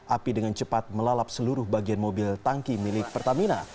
api dengan cepat melalap seluruh bagian mobil tangki milik pertamina